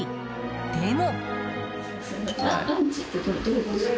でも。